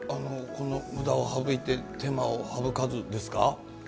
「ムダを省いて手間を省かず」ですか。